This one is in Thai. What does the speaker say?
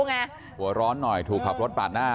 หัวร้อนหน่อยถูกขับรถปาดหน้า